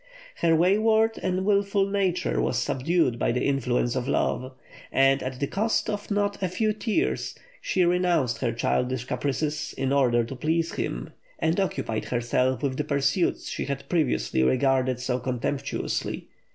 Her wayward and wilful nature was subdued by the influence of love; and at the cost of not a few tears, she renounced her childish caprices in order to please him, and occupied herself with the pursuits she had previously regarded so contemptuously.